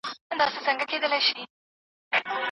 پر ښاخلو د ارغوان به، ګلان وي، او زه به نه یم